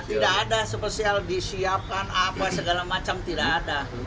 tidak ada spesial disiapkan apa segala macam tidak ada